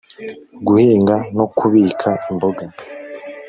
Guhinga no Kubika Imboga